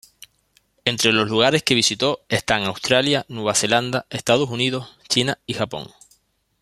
Entre los lugares que visitó, están Australia, Nueva Zelanda, Estados Unidos, China, y Japón.